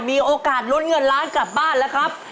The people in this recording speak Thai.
มีโอกาสลุ้นเงินล้านกลับบ้านแล้วครับ